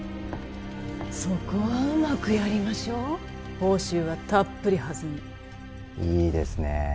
そこはうまくやりましょう報酬はたっぷり弾むいいですねえ